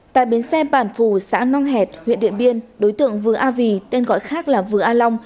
tại bến xe bản phù xã nong hẹt huyện điện biên đối tượng vừa a vì tên gọi khác là vừa a long